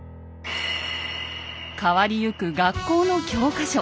変わりゆく学校の教科書。